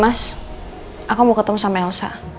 mas aku mau ketemu sama elsa